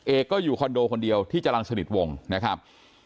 ก็อยู่คอนโดคนเดียวที่จรรย์สนิทวงนะครับ